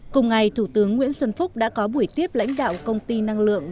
cùng ngày thủ tướng nguyễn xuân phúc đã có buổi tiếp lãnh đạo công ty năng lượng